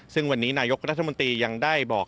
ซึ่งวันนี้นายกรัฐมนตรียังได้บอก